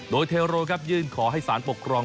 โดยเทโรครับยื่นขอให้สารปกครอง